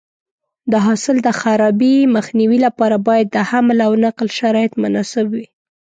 د حاصل د خرابي مخنیوي لپاره باید د حمل او نقل شرایط مناسب وي.